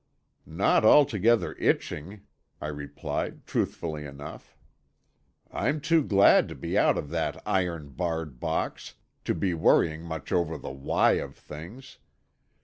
"Not altogether itching," I replied truthfully enough. "I'm too glad to be out of that iron barred box, to be worrying much over the why of things.